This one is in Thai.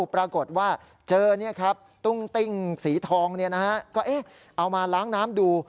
ปรากฏว่าเจอตุ้งติ้งสีทองก็เอามาล้างน้ำดู